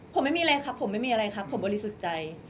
ผมไม่มีอะไรครับผมไม่มีอะไรครับผมบริสุทธิ์ใจ